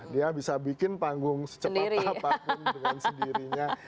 dia bisa bikin panggung secepat apapun dengan sendirinya